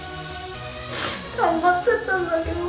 頑張っていたんだけど。